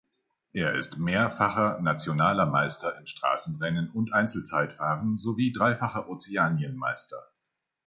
Er ist mehrfacher nationaler Meister im Straßenrennen und Einzelzeitfahren sowie dreifacher Ozeanienmeister.